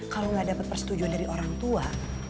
kalau nggak dapat persetujuan dari orang tua